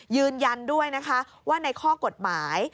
ยืนยันด้วยนะคะว่าในข้อกฎหมาย